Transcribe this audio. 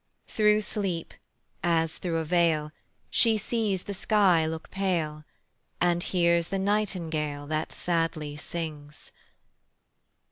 Through sleep, as through a veil, She sees the sky look pale, And hears the nightingale That sadly sings.